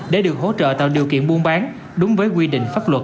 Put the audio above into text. để được hỗ trợ tạo điều kiện buôn bán đúng với quy định pháp luật